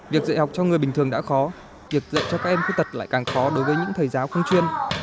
việc dạy học cho người bình thường đã khó việc dạy cho các em khuyết tật lại càng khó đối với những thầy giáo không chuyên